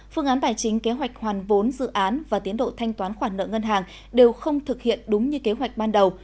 phương án tài chính kế hoạch hoàn vốn dự án và tiến độ thanh toán khoản nợ ngân hàng đều không thực hiện đúng như kế hoạch ban đầu